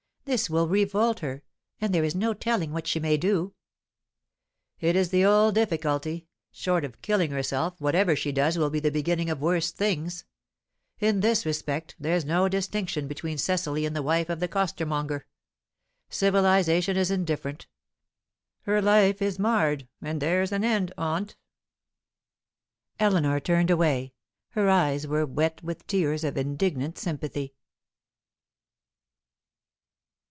This will revolt her, and there is no telling what she may do." "It is the old difficulty. Short of killing herself, whatever she does will be the beginning of worse things. In this respect, there's no distinction between Cecily and the wife of the costermonger. Civilization is indifferent. Her life is marred, and there's an end on't." Eleanor turned away. Her eyes were wet with tears of indignant sympathy.